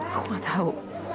aku gak tau